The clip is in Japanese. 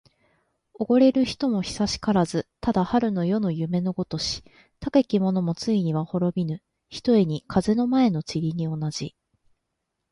おごれる人も久しからず。ただ春の夜の夢のごとし。たけき者もついには滅びぬ、ひとえに風の前の塵に同じ。